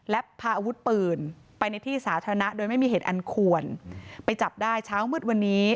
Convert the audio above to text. และพาอาวุธปืนไปในที่สาธารณะโดยไม่มีเหตุอันควรไปจับได้เช้ามืดวันนี้